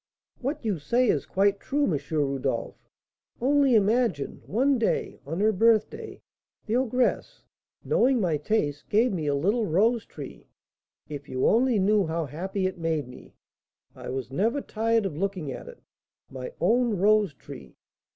"What you say is quite true, M. Rodolph. Only imagine, one day, on her birthday, the ogress, knowing my taste, gave me a little rose tree. If you only knew how happy it made me, I was never tired of looking at it, my own rose tree!